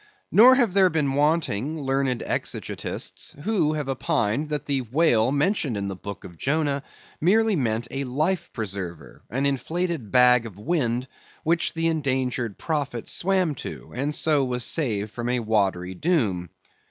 Nor have there been wanting learned exegetists who have opined that the whale mentioned in the book of Jonah merely meant a life preserver—an inflated bag of wind—which the endangered prophet swam to, and so was saved from a watery doom.